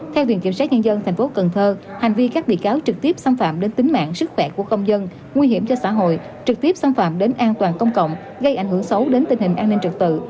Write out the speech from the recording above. theo viện kiểm sát nhân dân tp cần thơ hành vi các bị cáo trực tiếp xâm phạm đến tính mạng sức khỏe của công dân nguy hiểm cho xã hội trực tiếp xâm phạm đến an toàn công cộng gây ảnh hưởng xấu đến tình hình an ninh trật tự